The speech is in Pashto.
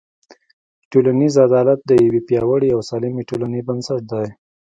ټولنیز عدالت د یوې پیاوړې او سالمې ټولنې بنسټ دی.